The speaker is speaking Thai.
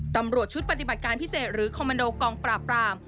ตำรวจชุดปฏิบัติการพิเศษหรือคอมมันโดกองปราบราม